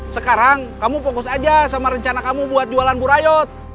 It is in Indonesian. sekarang kamu fokus aja sama rencana kamu buat jualan bu rayot